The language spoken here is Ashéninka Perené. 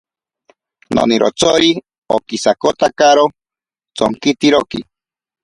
Nonirotsori okisakotakaro tsonkitiroki.